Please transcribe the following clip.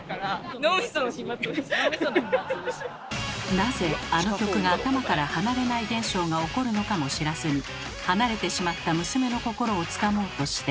なぜ「あの曲が頭から離れない現象」が起こるのかも知らずに離れてしまった娘の心をつかもうとして。